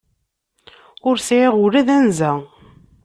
Ur sɛiɣ ula d anza.